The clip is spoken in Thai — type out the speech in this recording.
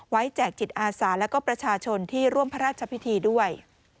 แจกจิตอาสาแล้วก็ประชาชนที่ร่วมพระราชพิธีด้วย